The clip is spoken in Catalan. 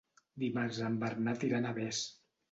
Dimarts en Bernat irà a Navès.